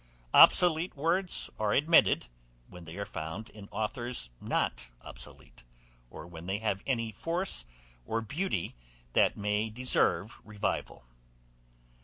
Obsolete words are admitted, when they are found in authours not obsolete, or when they have any force or beauty that may deserve revival.